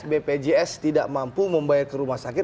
bpjs tidak mampu membayar ke rumah sakit